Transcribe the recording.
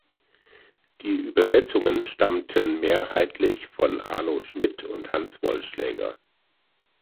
Die Übersetzungen stammten mehrheitlich von Arno Schmidt und Hans Wollschläger.